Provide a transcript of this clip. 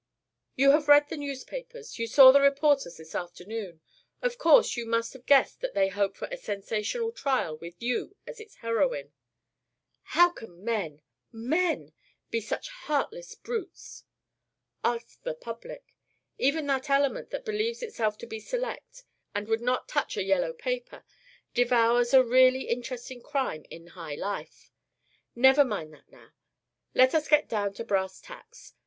"You have read the newspapers. You saw the reporters this afternoon. Of course you must have guessed that they hope for a sensational trial with you as the heroine." "How can men men be such heartless brutes?" "Ask the public. Even that element that believes itself to be select and would not touch a yellow paper devours a really interesting crime in high life. Never mind that now. Let us get down to brass tacks.